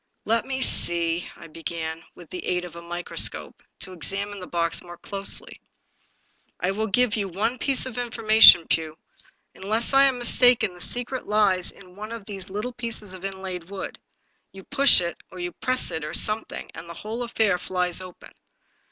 Let me see." I began, with the aid of a microscope, to examine the box more closely. " I will give you one piece of information, Pugh. Unless I am mistaken, the secret lies in one of these little pieces of inlaid wood. You push it, or you press it, or something, and the whole affair flies open."